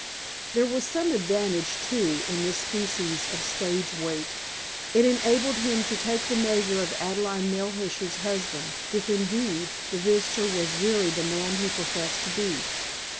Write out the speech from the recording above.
There was some advantage, too, in this species of stage wait. It enabled him to take the measure of Adelaide Melhuish's husband, if, indeed, the visitor was really the man he professed to be.